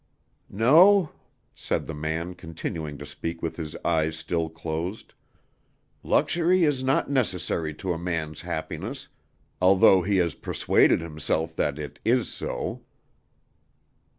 "No," said the man, continuing to speak with his eyes still closed, "luxury is not necessary to a man's happiness, although he has persuaded himself that it is so."